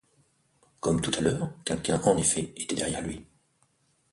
Comme tout à l'heure, quelqu'un en effet était derrière lui.